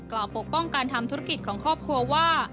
ปกป้องการทำธุรกิจของครอบครัวว่า